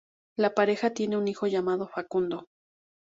La pareja tiene un hijo llamado Facundo.